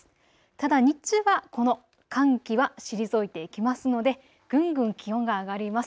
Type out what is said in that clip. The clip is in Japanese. ただ日中はこの寒気は退いていきますのでぐんぐん気温が上がります。